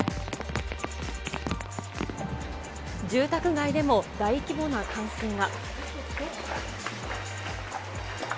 住宅街でも大規模な冠水が。